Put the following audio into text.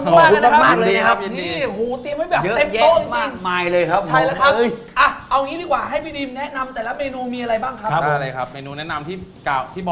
โอ้โหนี่นะครับ